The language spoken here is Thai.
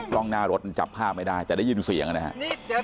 ตรงหน้ารถจับภาพไม่ได้จะได้ยินเสียงกันนะครับ